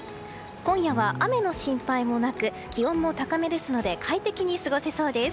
今夜は雨の心配もなく気温も高めですので快適に過ごせそうです。